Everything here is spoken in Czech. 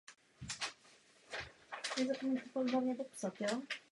Na tento přístup navázalo o sto let později hnutí New Age.